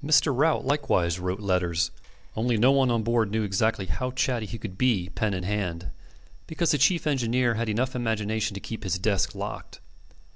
Mr. Rout likewise wrote letters; only no one on board knew how chatty he could be pen in hand, because the chief engineer had enough imagination to keep his desk locked.